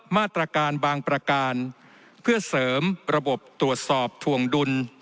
มาตรการบางประการเพื่อเสริมระบบตรวจสอบถวงดุล